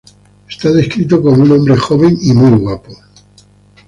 Es descrito como "un hombre joven y muy guapo".